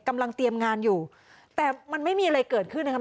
กำลังเตรียมงานอยู่แต่มันไม่มีอะไรเกิดขึ้นนะครับ